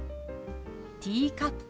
「ティーカップ」。